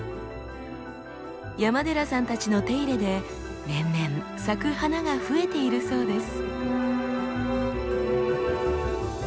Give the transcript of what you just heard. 山寺さんたちの手入れで年々咲く花が増えているそうです。